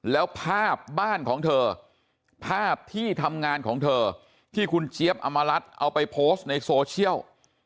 แล้วภาพบ้านของเธอภาพที่ทำงานของเธอที่คุณเจี๊ยบอมรัฐเอาไปโพสต์ในโซเชียล